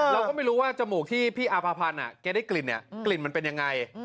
เราก็ไม่รู้ว่าจมูกที่พี่อาภาพันธ์แกได้กลิ่นเนี่ยกลิ่นกลิ่นมันเป็นยังไง